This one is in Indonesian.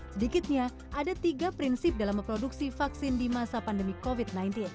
sedikitnya ada tiga prinsip dalam memproduksi vaksin di masa pandemi covid sembilan belas